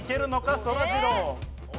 そらジロー。